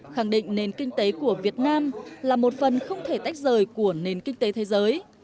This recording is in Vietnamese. khẳng định nền kinh tế của việt nam là một phần không thể tách rời của nền kinh tế thế giới